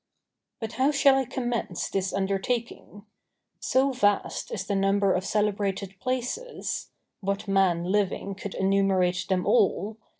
But how shall I commence this undertaking? So vast is the number of celebrated places (what man living could enumerate them all?)